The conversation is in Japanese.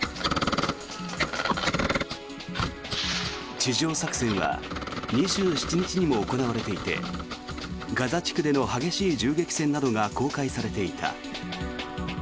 地上作戦は２７日にも行われていてガザ地区での激しい銃撃戦などが公開されていた。